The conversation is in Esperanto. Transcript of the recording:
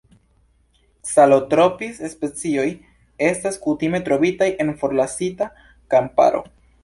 Calotropis-specioj estas kutime trovitaj en forlasita kamparo.